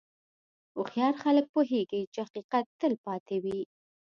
هوښیار خلک پوهېږي چې حقیقت تل پاتې وي.